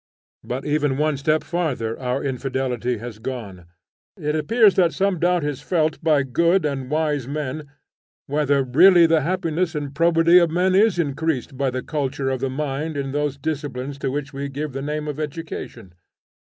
But even one step farther our infidelity has gone. It appears that some doubt is felt by good and wise men whether really the happiness and probity of men is increased by the culture of the mind in those disciplines to which we give the name of education.